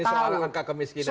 ini soal angka kemiskinan